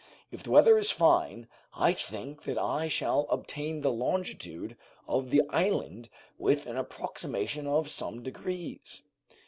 If the weather is fine I think that I shall obtain the longitude of the island with an approximation of some degrees."